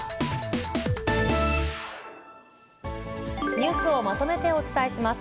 ニュースをまとめてお伝えします。